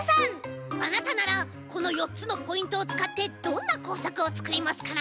あなたならこの４つのポイントをつかってどんなこうさくをつくりますかな？